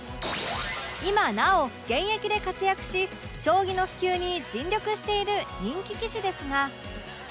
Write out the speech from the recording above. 今なお現役で活躍し将棋の普及に尽力している人気棋士ですが